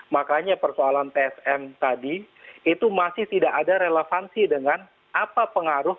makanya persoalan tsm tadi itu masih tidak ada relevansi dengan apa pengaruh